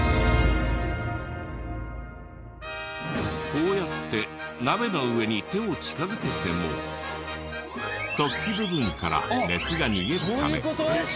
こうやって鍋の上に手を近づけても突起部分から熱が逃げるため。